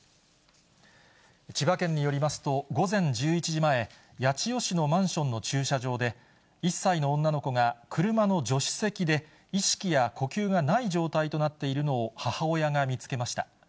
千葉県によりますと、午前１１時前、八千代市のマンションの駐車場で、１歳の女の子が車の助手席で意識や呼吸がない状態となっているのを母親が見つけました。